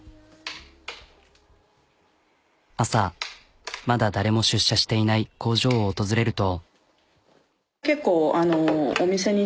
朝まだ誰も出社していない工場を訪れると。